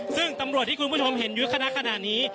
ซึ่งตำรวจที่คุณผู้ชมเห็นอยู่คณะขณะนี้